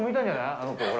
あの子、ほら。